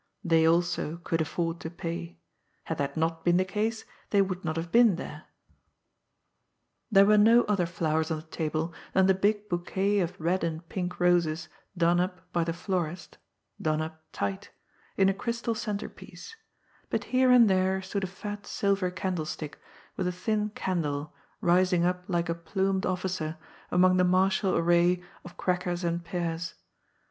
They also could afford to pay. Had that not been the case, .they would not have been there. 26 GOD'S FOOL. There were no other flowers on the table than the big boaquet of red and pink roses, done np by the florist (done np tight), in a crystal centrepiece ; bat here and there stood a fat silver candlestick, with a thin candle, rising np like a plumed officer among the martial array of crackers and pears.